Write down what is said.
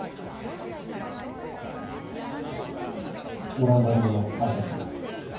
オランダ流の挨拶です。